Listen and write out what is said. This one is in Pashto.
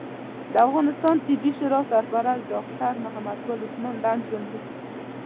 د افغانستان طبي شورا سرپرست ډاکټر ګل محمد عثمان لنډ ژوند لیک